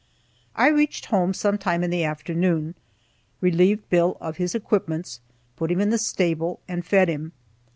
I reached home sometime in the afternoon, relieved Bill of his equipments, put him in the stable, and fed him.